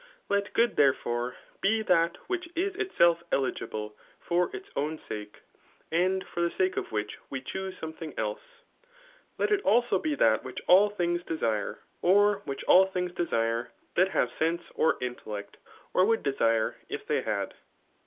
Let good, therefore, be that which is itself eligible fior Its own sake ;> and for the sake of which we chuse s(Ha&» thing else. Let it, also, be that which all thmgs desim, or which all things desire that have sense or intellect, or would desire if they had.